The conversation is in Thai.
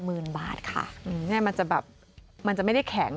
อืมนี่มันจะแบบมันจะไม่ได้แข็ง